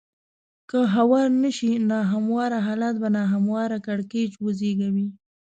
که هوار نه شي نا همواره حالات به نا همواره کړکېچ وزېږوي.